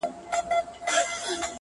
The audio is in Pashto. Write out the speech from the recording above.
ما درته نه ويل په ما باندې باور نه کوي~